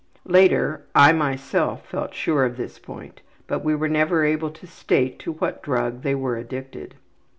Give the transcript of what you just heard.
Later, I myself felt sure of this point, but we were never able to state to what drug they were addicted.